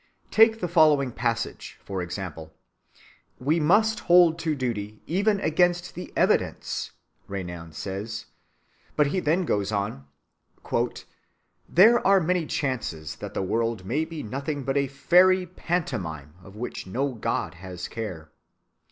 Take the following passage, for example,—we must hold to duty, even against the evidence, Renan says,—but he then goes on:— "There are many chances that the world may be nothing but a fairy pantomime of which no God has care.